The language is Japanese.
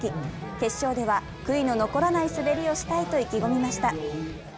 決勝では悔いの残らない滑りをしたいと意気込みました。